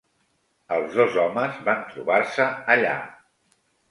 Els dos homes van trobar-se allà.